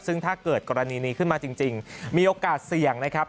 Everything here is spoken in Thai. ซึ่งถ้าเกิดกรณีนี้ขึ้นมาจริงมีโอกาสเสี่ยงนะครับ